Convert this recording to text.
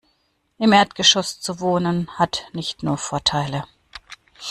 Im Erdgeschoss zu wohnen, hat nicht nur Vorteile.